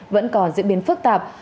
vẫn còn diễn biến phức tạp